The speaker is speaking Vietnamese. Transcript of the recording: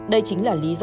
đây chính là lý do